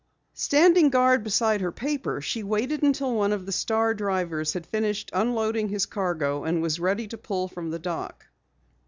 Standing guard beside her paper she waited until one of the Star drivers had finished unloading his cargo and was ready to pull from the dock.